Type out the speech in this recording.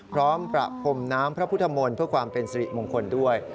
ประพรมน้ำพระพุทธมนต์เพื่อความเป็นสิริมงคลด้วย